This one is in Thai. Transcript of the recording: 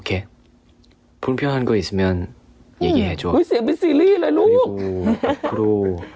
แต่เป็นเด็กที่ง้มอิงนั้นที่จะไปชอบเกาหลีจนดีเลยนะ